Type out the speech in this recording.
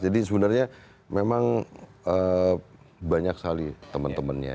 jadi sebenarnya memang banyak sekali teman temannya